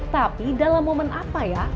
tapi dalam momen apa ya